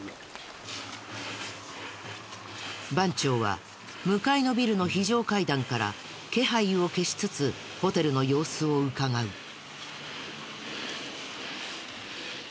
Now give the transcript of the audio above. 番長は向かいのビルの非常階段から気配を消しつつホテルの様子を伺う。